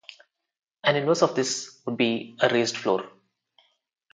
An inverse of this would be a raised floor.